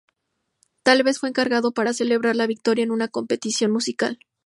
Tal vez fue encargado para celebrar la victoria en una competición musical.